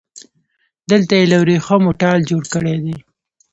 دلته يې له وريښمو ټال جوړ کړی دی